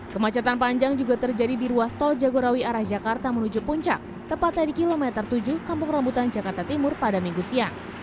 kemacetan panjang juga terjadi di ruas tol jagorawi arah jakarta menuju puncak tepatnya di kilometer tujuh kampung rambutan jakarta timur pada minggu siang